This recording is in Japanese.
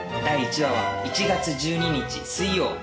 第１話は１月１２日水曜。